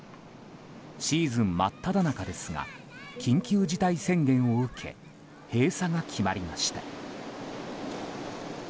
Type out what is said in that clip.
シーズン真っただ中ですが緊急事態宣言を受け閉鎖が決まりました。